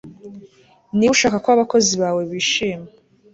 niba ushaka ko abakozi bawe bishima